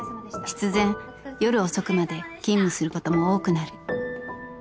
［必然夜遅くまで勤務することも多くなる］